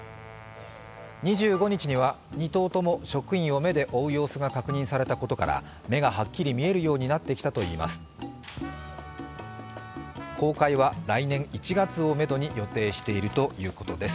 ２５日には２頭とも職員を目で追う様子が確認されたことから目がはっきり見えるようになってきたといいます。